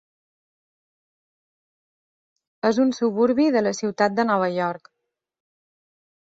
És un suburbi de la ciutat de Nova York.